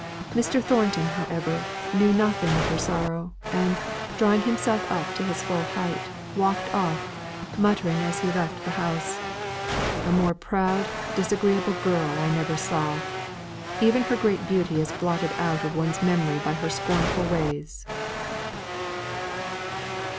Mr. Thornton, however, knew nothing of her sorrow, and, drawing himself up to his full height, walked off, muttering as he left the house "A more proud, disagreeable girl I never saw. Even her great beauty is blotted out of one's memory by her scornful ways."